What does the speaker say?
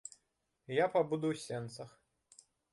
Я пабуду ў сенцах.